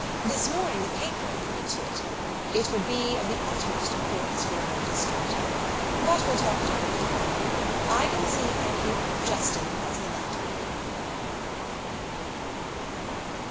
This morning the paper alluded to it. It would be of the utmost importance for our district. But we'll talk it over later on. I can see, thank you; Justin has the lantern."